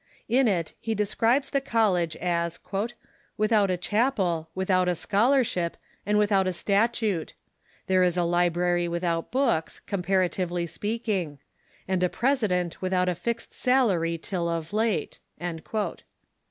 In it he describes the college as " without a chapel, without a scholarship, and without a stat ute ; there is a library without books, comparatively speaking ; and a president without a fixed salary till of late."